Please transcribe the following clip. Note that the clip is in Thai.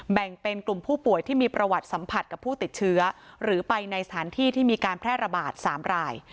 แบ่งเป็นกลุ่มผู้ป่วยที่มีประวัติสัมผัสกับผู้ติดเชื้อหรือไปในสถานที่ที่มีการแพร่ระบาด๓ราย